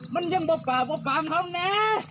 มึงยังบะป่าบะป่ามของแน่